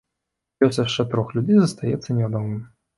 Лёс яшчэ трох людзей застаецца невядомым.